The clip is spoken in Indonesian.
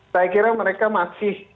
saya kira mereka masih